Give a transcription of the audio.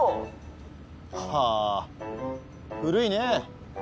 はあ古いね。